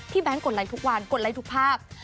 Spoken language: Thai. แก๊งกดไลค์ทุกวันกดไลค์ทุกภาพ